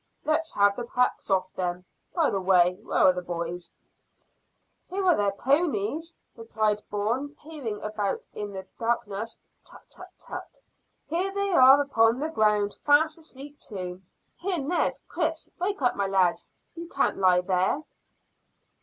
"Let's have the packs off, then. By the way, where are the boys?" "Here are their ponies," replied Bourne, peering about in the darkness. "Tut, tut, tut! Here they are upon the ground, fast asleep too. Here, Ned Chris! Wake up, my lads; you can't lie there."